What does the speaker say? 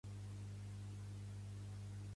Dels bitxos bascos també en diuen llagostins d'Ibarra